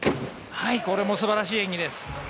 これも素晴らしい演技です。